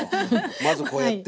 まずこうやって。